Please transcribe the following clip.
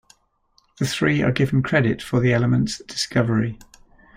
The three are given credit for the element's discovery.